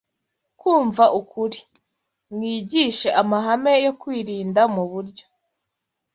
kumva ukuri. Mwigishe amahame yo kwirinda mu buryo